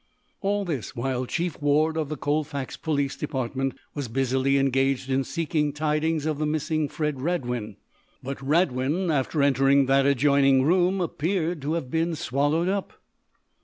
All this while Chief Ward, of the Colfax police department, was busily engaged in seeking tidings of the missing Fred Radwin. But Radwin, after entering that adjoining room, appeared to have been swallowed up.